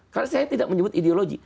karena saya tidak menyebut ideologi